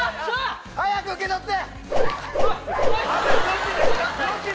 早く受け取って。